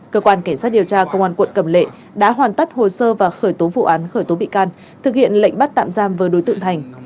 cơ quan cảnh sát điều tra công an quận cầm lệ đã hoàn tất hồ sơ và khởi tố vụ án khởi tố bị can thực hiện lệnh bắt tạm giam với đối tượng thành